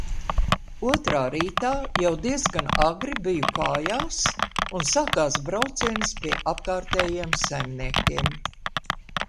Otrā rītā jau diezgan agri biju kājās un sākās brauciens pie apkārtējiem saimniekiem.